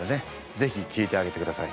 ぜひ聞いてあげてください。